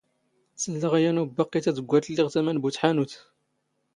ⵙⵍⵍⴰⵖ ⵉ ⵢⴰⵏ ⵓⴱⴱⴰⵇⵇⵉ ⵜⴰⴷⴳⴳⴰⵜ ⵍⵍⵉ ⴳ ⵜⴰⵎⴰ ⵏ ⴱⵓ ⵜⵃⴰⵏⵓⵜ.